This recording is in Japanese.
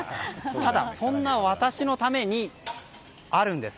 ただ、そんな私のためにあるんです。